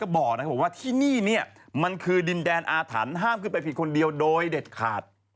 บอกว่าที่นี่เนี่ยมันคือดินแดนอาถรรพ์ห้ามขึ้นไปผิดคนเดียวโดยเด็ดขาด